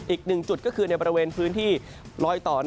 อีกหนึ่งจุดก็คือในบริเวณพื้นที่ลอยต่อ